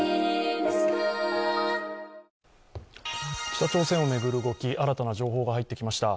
北朝鮮を巡る動き、新たな情報が入ってきました。